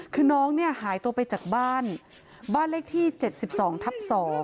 คือน้องเนี่ยหายตัวไปจากบ้านบ้านเลขที่๗๒ทับ๒